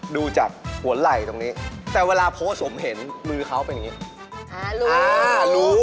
ดูจากหัวไหล่ตรงนี้แต่เวลาโพสต์ผมเห็นมือเขาเป็นอย่างนี้